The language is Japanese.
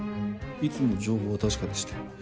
いつも情報は確かでして。